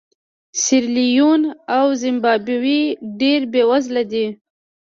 سیریلیون او زیمبابوې ډېر بېوزله دي.